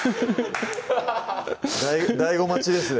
ＤＡＩＧＯ待ちですね